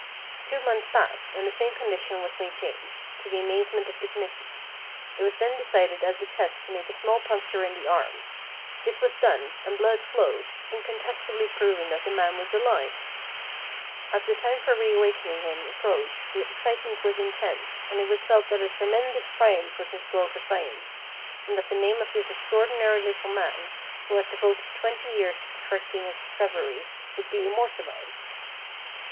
Two months passed, and the same condition was main THE STRANGE STORY OF DR. MARTIN 315 tained, to the amazement of the committee. It was then de cided as a test to make a small puncture in the arm. This was done, and hlood flowed, incontestably proving that the man was alive. As the time for re awakening him approached the excitement was intense, and it was felt that a tremendous triumph was in store for science, and that the name of this extraordinary little man, who had devoted twenty years to perfecting his discovery, would be immortalised.